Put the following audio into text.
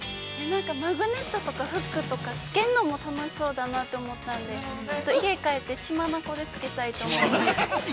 ◆なんか、マグネットとかフックとか、付けるのも楽しそうだなと思ったんで、家帰って、血眼で付けたいと思います。